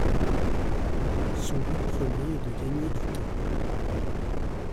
Son but premier est de gagner du temps.